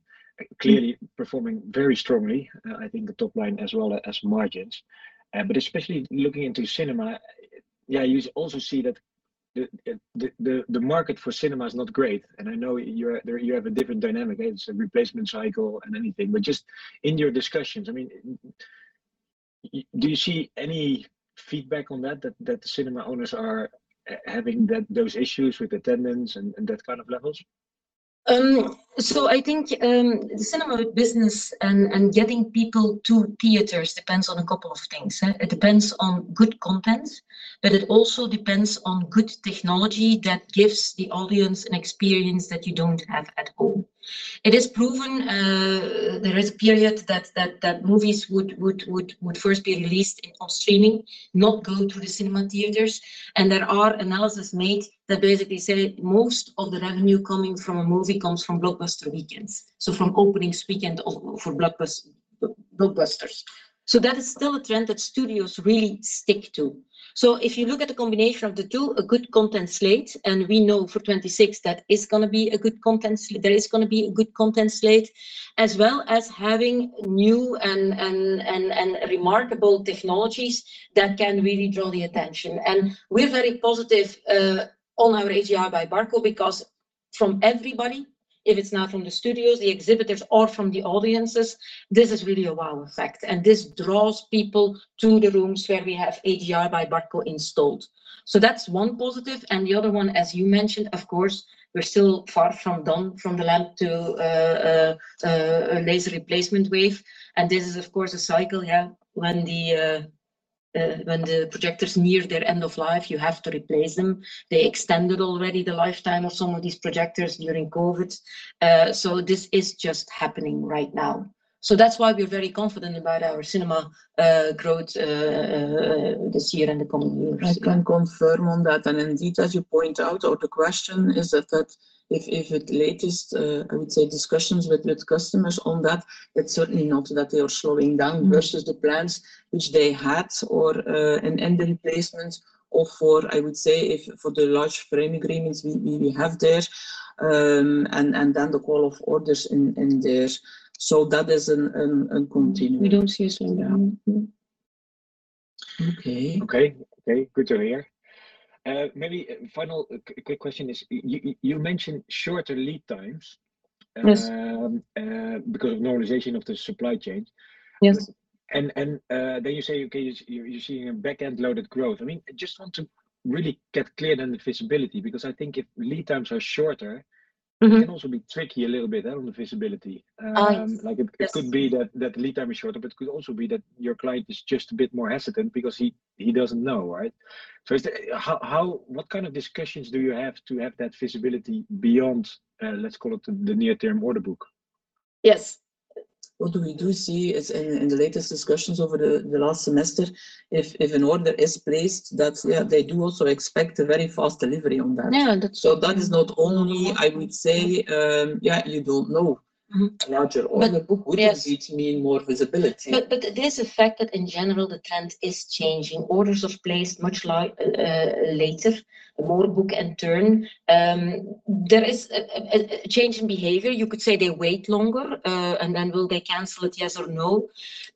Clearly performing very strongly, I think the top line as well as margins. But especially looking into cinema, yeah, you also see that the market for cinema is not great, and I know you're there you have a different dynamic. It's a replacement cycle and anything. But just in your discussions, I mean, do you see any feedback on that that the cinema owners are having those issues with attendance and that kind of levels? So I think, the cinema business and getting people to theaters depends on a couple of things, eh? It depends on good content, but it also depends on good technology that gives the audience an experience that you don't have at home. It is proven, there is a period that movies would first be released in on streaming, not go to the cinema theaters. And there are analysis made that basically say most of the revenue coming from a movie comes from blockbuster weekends, so from openings weekend or from blockbusters. So that is still a trend that studios really stick to. So if you look at the combination of the two, a good content slate, and we know for 2026 that is gonna be a good content slate... There is gonna be a good content slate, as well as having new and remarkable technologies that can really draw the attention. And we're very positive on our HDR by Barco, because from everybody, if it's not from the studios, the exhibitors or from the audiences, this is really a wow effect. And this draws people to the rooms where we have HDR by Barco installed. So that's one positive, and the other one, as you mentioned, of course, we're still far from done from the lamp-to-laser replacement wave. And this is, of course, a cycle, yeah, when the projectors near their end of life, you have to replace them. They extended already the lifetime of some of these projectors during COVID. So this is just happening right now. So that's why we're very confident about our cinema growth this year and the coming years. I can confirm on that, and indeed, as you point out, the question is that if the latest discussions with customers on that, it's certainly not that they are slowing down- Mm versus the plans which they had or, and in placement or for, I would say, if for the large frame agreements we have there. And then the call of orders in there. So that is an continue. We don't see a slowing down. Yeah. Mm-hmm. Okay. Okay. Okay, good to hear. Maybe final quick question is, you mentioned shorter lead times- Yes... because of normalization of the supply chain. Yes. Then you say, okay, you're seeing a back-end loaded growth. I mean, I just want to really get clear on the visibility, because I think if lead times are shorter- Mm-hmm... it can also be tricky a little bit on the visibility. Oh, yes. Like, it could be that, that lead time is shorter, but it could also be that your client is just a bit more hesitant because he, he doesn't know, right? So is the... How, how, what kind of discussions do you have to have that visibility beyond, let's call it the near term order book? Yes. What we do see is in the latest discussions over the last semester, if an order is placed, that's yeah, they do also expect a very fast delivery on that. Yeah, that's- That is not only, I would say, yeah, you don't know. Mm-hmm. Larger order book. Yes... would indeed mean more visibility. But it is a fact that in general, the trend is changing. Orders are placed much later, the order book and turn. There is a change in behavior. You could say they wait longer, and then will they cancel it? Yes or no.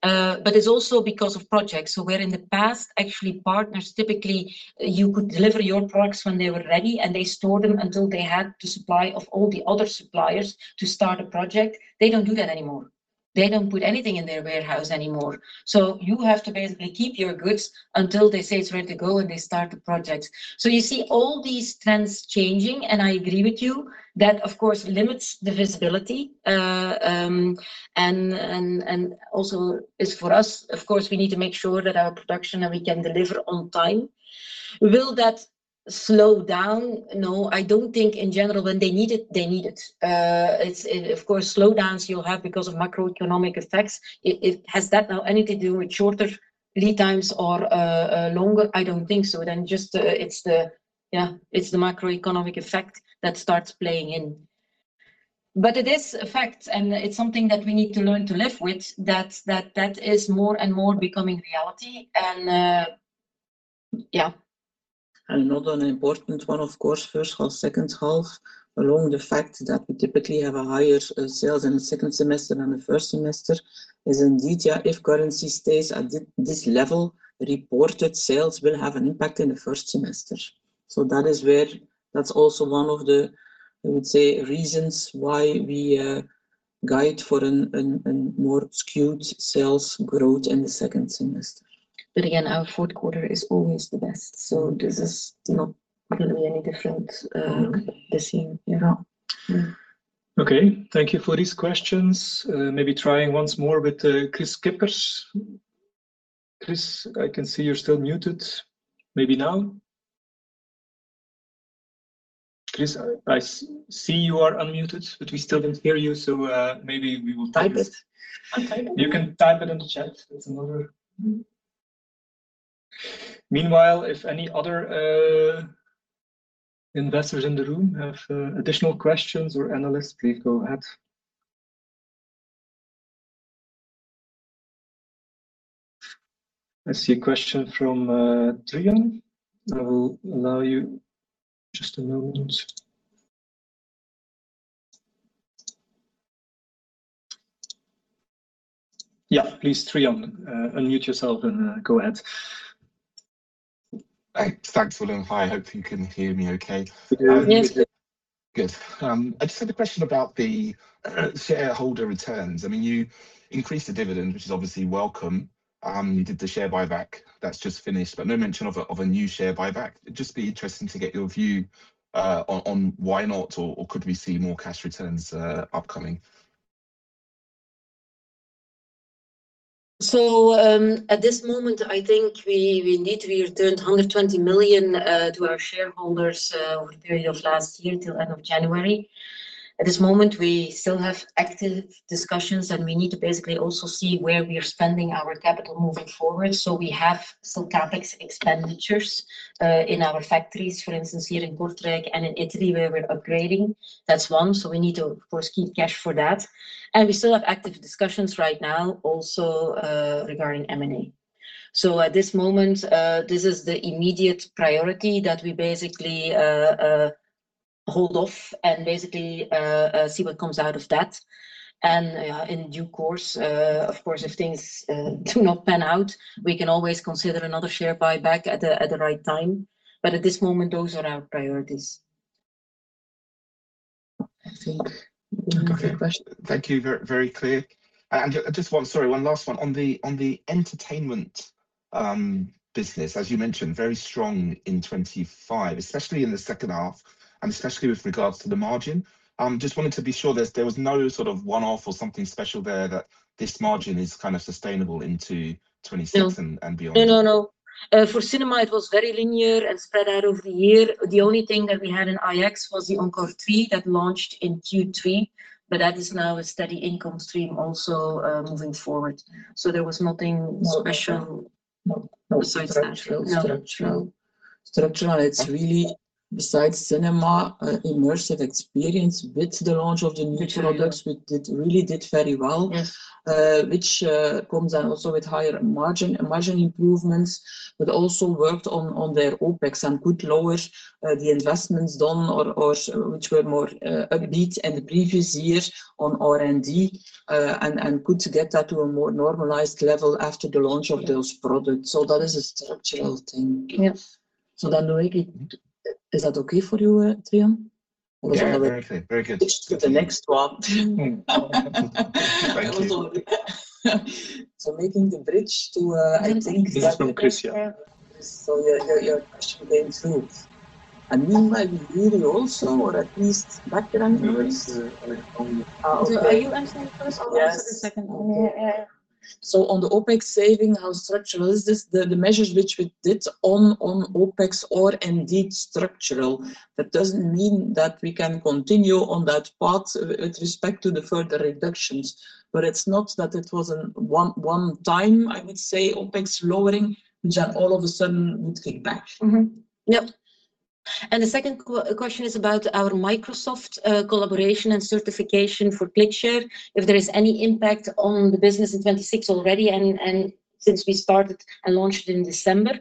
But it's also because of projects. So where in the past, actually, partners, typically, you could deliver your products when they were ready, and they stored them until they had the supply of all the other suppliers to start a project. They don't do that anymore. They don't put anything in their warehouse anymore. So you have to basically keep your goods until they say it's ready to go, and they start the project. So you see all these trends changing, and I agree with you. That, of course, limits the visibility, and also is for us, of course, we need to make sure that our production and we can deliver on time. Will that slow down? No, I don't think in general. When they need it, they need it. Of course, slowdowns you'll have because of macroeconomic effects. It has that now anything to do with shorter lead times or longer? I don't think so. Then just, it's the macroeconomic effect that starts playing in. But it is a fact, and it's something that we need to learn to live with, that is more and more becoming reality, and yeah. And another important one, of course, first half, second half, along with the fact that we typically have a higher sales in the second semester than the first semester, is indeed, yeah, if currency stays at this level, reported sales will have an impact in the first semester. So that is where... That's also one of the, I would say, reasons why we guide for a more skewed sales growth in the second semester. But again, our fourth quarter is always the best, so this is not gonna be any different. Okay... the same, you know? Mm-hmm. Okay. Thank you for these questions. Maybe trying once more with Kris Kippers. Kris, I can see you're still muted. Maybe now. Kris, I see you are unmuted, but we still don't hear you, so maybe we will type it. Or type. You can type it in the chat, it's another... Meanwhile, if any other investors in the room have additional questions or analysts, please go ahead. I see a question from Tristan. I will allow you just a moment. Yeah, please, Tristan, unmute yourself and go ahead. Thanks, Willem. Hi, I hope you can hear me okay. We can. Yes. Good. I just had a question about the shareholder returns. I mean, you increased the dividend, which is obviously welcome. You did the share buyback, that's just finished, but no mention of a new share buyback. It'd just be interesting to get your view on why not, or could we see more cash returns upcoming? At this moment, I think we, we need to return 120 million to our shareholders over the period of last year till end of January. At this moment, we still have active discussions, and we need to basically also see where we are spending our capital moving forward. We have some CapEx expenditures in our factories, for instance, here in Kortrijk and in Italy, where we're upgrading. That's one, so we need to, of course, keep cash for that. And we still have active discussions right now, also, regarding M&A. At this moment, this is the immediate priority that we basically hold off and basically see what comes out of that. In due course, of course, if things do not pan out, we can always consider another share buyback at the right time. But at this moment, those are our priorities. I think one more question. Thank you. Very, very clear. And just one... Sorry, one last one. On the, on the entertainment business, as you mentioned, very strong in 2025, especially in the second half, and especially with regards to the margin. Just wanted to be sure there, there was no sort of one-off or something special there, that this margin is kind of sustainable into 2026? No... and beyond. No, no, no. For cinema, it was very linear and spread out over the year. The only thing that we had in ISE was the Encore3 that launched in Q3, but that is now a steady income stream also, moving forward. There was nothing special-... No, no, structural, structural. Structural. It's really besides cinema, immersive experience with the launch of the new products- Yeah... which it really did very well. Yes. which comes out also with higher margin, margin improvements, but also worked on, on their OpEx and could lower the investments done or, or which were more upbeat in the previous years on R&D, and, and could get that to a more normalized level after the launch of those products. So that is a structural thing. Yes. So then is that okay for you, Tristan? Yeah, very okay. Very good. To the next one. Thank you. Making the bridge to, I think- This is from Christian. Your question then includes. You might be reading also, or at least background noise? Are you answering first or second? Yes. Yeah, yeah. So on the OpEx saving, how structural is this? The measures which we did on OpEx are indeed structural. That doesn't mean that we can continue on that path with respect to the further reductions, but it's not that it was a one time, I would say, OpEx lowering, which then all of a sudden would kick back. Mm-hmm. Yep. And the second question is about our Microsoft collaboration and certification for ClickShare. If there is any impact on the business in 2026 already, and since we started and launched in December.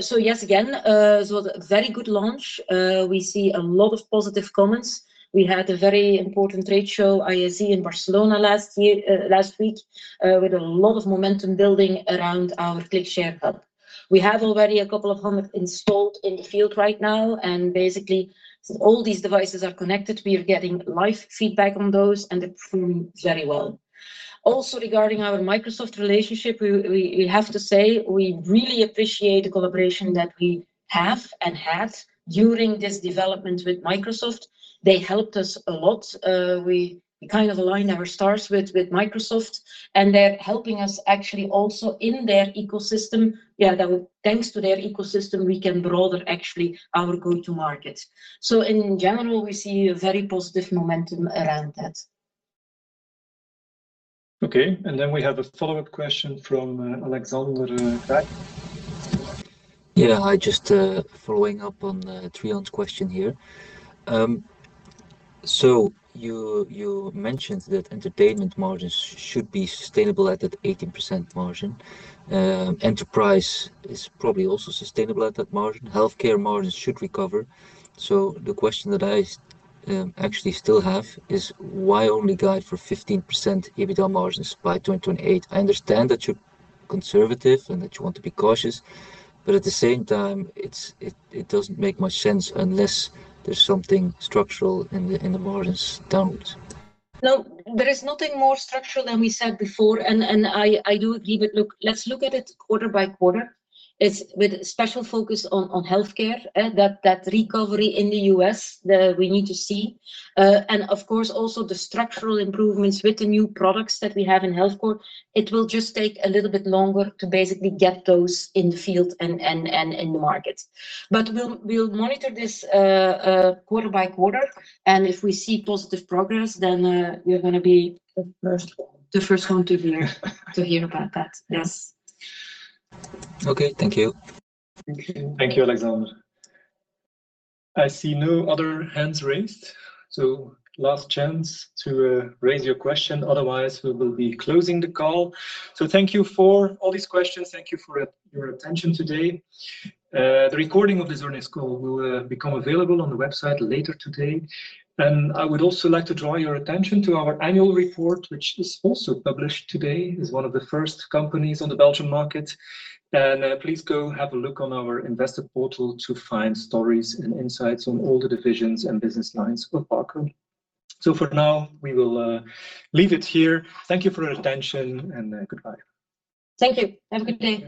So yes, again, it was a very good launch. We see a lot of positive comments. We had a very important trade show, ISE, in Barcelona last year, last week, with a lot of momentum building around ClickShare hub. we have already a couple of hundred installed in the field right now, and basically, all these devices are connected. We are getting live feedback on those, and they're proving very well. Also, regarding our Microsoft relationship, we have to say, we really appreciate the collaboration that we have and had during this development with Microsoft. They helped us a lot. We kind of aligned our stars with Microsoft, and they're helping us actually also in their ecosystem. Yeah, that thanks to their ecosystem, we can broaden actually our go-to market. So in general, we see a very positive momentum around that. Okay, and then we have a follow-up question from Alexander Craeymeersch. Yeah, hi, just following up on Tristan's question here. So you mentioned that entertainment margins should be sustainable at that 18% margin. Enterprise is probably also sustainable at that margin. Healthcare margins should recover. So the question that I actually still have is, why only guide for 15% EBITDA margins by 2028? I understand that you're conservative and that you want to be cautious, but at the same time, it doesn't make much sense unless there's something structural in the margins downs. No, there is nothing more structural than we said before, and I do agree. But look, let's look at it quarter by quarter. It's with special focus on healthcare, that recovery in the U.S. that we need to see. And of course, also the structural improvements with the new products that we have in healthcare. It will just take a little bit longer to basically get those in the field and in the market. But we'll monitor this quarter by quarter, and if we see positive progress, then you're gonna be- The first one.... The first one to hear about that. Yes. Okay. Thank you. Thank you. Thank you, Alexander. I see no other hands raised, so last chance to raise your question, otherwise, we will be closing the call. So thank you for all these questions. Thank you for your attention today. The recording of this earnings call will become available on the website later today. And I would also like to draw your attention to our annual report, which is also published today, as one of the first companies on the Belgian market. And please go have a look on our investor portal to find stories and insights on all the divisions and business lines for Barco. So for now, we will leave it here. Thank you for your attention, and goodbye. Thank you. Have a good day.